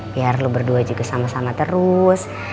biar lu berdua juga sama sama terus